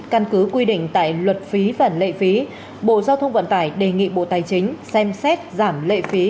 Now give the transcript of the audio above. căn cứ quy định tại luật phí và lệ phí bộ giao thông vận tải đề nghị bộ tài chính xem xét giảm lệ phí